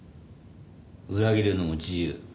裏切るのも自由。